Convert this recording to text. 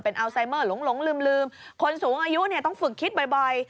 อัลไซเมอร์หลงลืมคนสูงอายุเนี่ยต้องฝึกคิดบ่อย